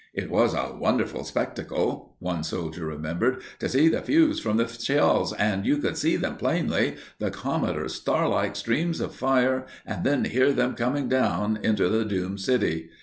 It was a "wonderful spectacle," one soldier remembered, "to see the fuse from the shells—and you could see them plainly—the comet or star like streams of fire and then hear them coming down into the doomed city.